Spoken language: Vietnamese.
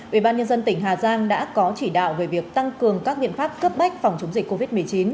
ubnd tỉnh hà giang đã có chỉ đạo về việc tăng cường các biện pháp cấp bách phòng chống dịch covid một mươi chín